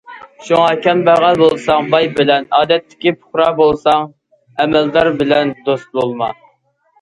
شۇڭا كەمبەغەل بولساڭ باي بىلەن، ئادەتتىكى پۇقرا بولساڭ ئەمەلدار بىلەن دوست بولما.